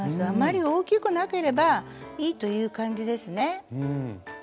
あまり大きくなければいいという感じですね。